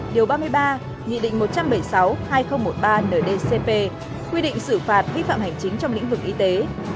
điều ba mươi ba nghị định một trăm bảy mươi sáu hai nghìn một mươi ba ndcp quy định xử phạt vi phạm hành chính trong lĩnh vực y tế